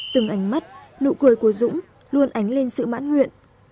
từng ánh mắt nụ cười của dũng luôn ánh lên sự mãn nguyện